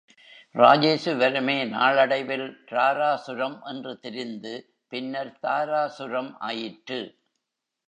ராஜேசுவரமே நாளடைவில் ராராசுரம் என்று திரிந்து பின்னர் தாராசுரம் ஆயிற்று.